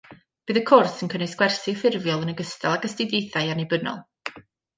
Bydd y cwrs yn cynnwys gwersi ffurfiol yn ogystal ag astudiaethau annibynnol